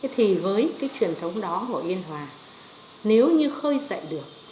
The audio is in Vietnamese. thì với cái truyền thống đó của yên hòa nếu như khơi dậy được